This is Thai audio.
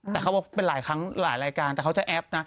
แต่เขาบอกเป็นหลายครั้งหลายรายการแต่เขาจะแอปนะ